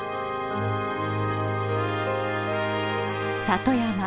里山。